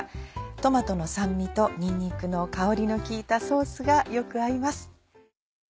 トマトの酸味とにんにくの香りの効いたソースがよく合います。